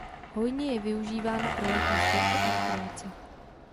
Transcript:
Hojně je využívána pro letní sporty a rekreaci.